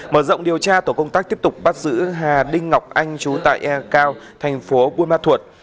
mở rộng điều tra tổ công tác tiếp tục bắt giữ hà đinh ngọc anh trú tại e cao thành phố buôn ma thuột